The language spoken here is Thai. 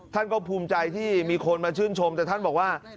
ท่านก็ภูมิใจที่มีคนมาชื่นชมแต่ท่านบอกว่า